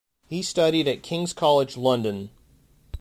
He studied at King's College London.